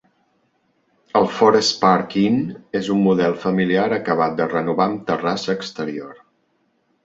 El Forest Park Inn és un motel familiar acabat de renovar amb terrassa exterior.